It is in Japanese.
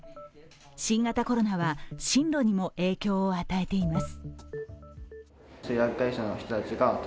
新型コロナは進路にも影響を与えています。